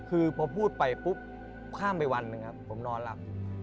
คือพอพูดไปปุ๊บข้ามไปวันหนึ่งครับผมนอนหลับ